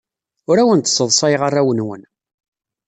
Ur awen-d-sseḍsayeɣ arraw-nwen.